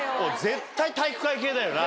絶対体育会系だよな。